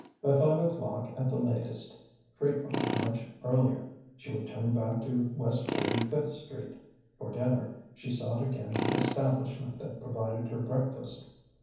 By five o'clock at the latest frequently much earlier she would turn back to West Forty fifth Street. For dinner she sought again the establishment that provided her breakfast.